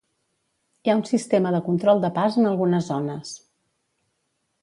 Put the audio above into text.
Hi ha un sistema de control de pas en algunes zones.